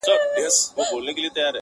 • د ساقي د میوناب او د پیالو دی.